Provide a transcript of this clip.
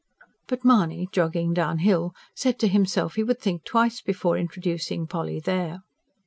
But Mahony, jogging downhill, said to himself he would think twice before introducing Polly there.